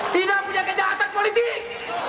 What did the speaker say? tidak punya kejahatan politik